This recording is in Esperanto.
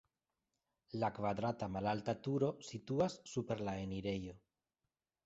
La kvadrata malalta turo situas super la enirejo.